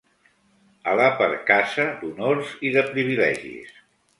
A la percaça d'honors i de privilegis.